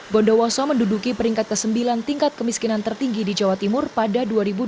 bondowoso menduduki peringkat ke sembilan tingkat kemiskinan tertinggi di jawa timur pada dua ribu dua puluh